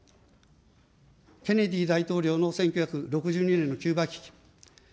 ケネディ大統領の１９６２年のキューバ危機。